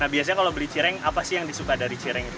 nah biasanya kalau beli cireng apa sih yang disuka dari cireng itu